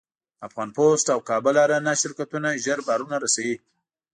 افغان پسټ او کابل اریانا شرکتونه زر بارونه رسوي.